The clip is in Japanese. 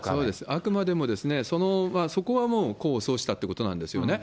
あくまでも、そこはもう功を奏したということなんですよね。